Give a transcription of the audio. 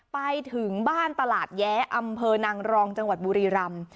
ไปถึงบ้านตลาดแย้อำเภอนางรองจังหวัดบุรีรำ